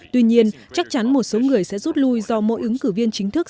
tuy nhiên chắc chắn một số người sẽ rút lui do mỗi ứng cử viên chính thức